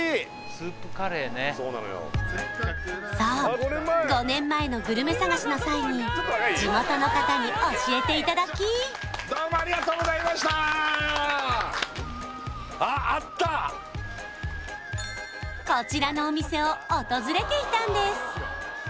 そう５年前のグルメ探しの際に地元の方に教えていただきどうもありがとうございましたこちらのお店を訪れていたんです